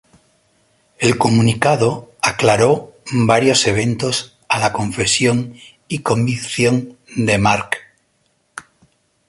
El comunicado aclaró varios eventos a la confesión y convicción de Mark.